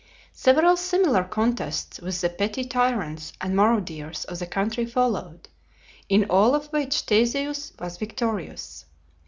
Several similar contests with the petty tyrants and marauders of the country followed, in all of which Theseus was victorious.